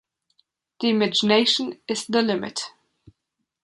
The imagination is the limit.